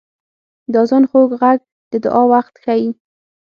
• د آذان خوږ ږغ د دعا وخت ښيي.